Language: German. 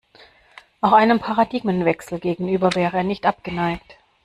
Auch einem Paradigmenwechsel gegenüber wäre er nicht abgeneigt.